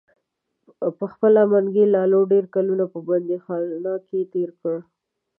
پخپله منګي لالو ډیر کلونه په بندیخانه کې تیر کړل.